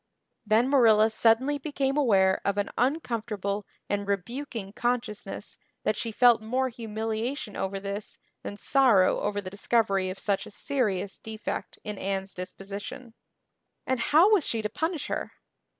Then Marilla suddenly became aware of an uncomfortable and rebuking consciousness that she felt more humiliation over this than sorrow over the discovery of such a serious defect in Anne's disposition. And how was she to punish her?